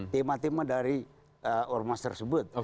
tema tema dari ormas tersebut